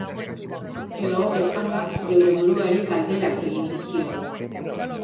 Edo hobeto esanda, geure buruari galderak egin dizkiogu.